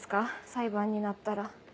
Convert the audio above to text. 裁判になったら。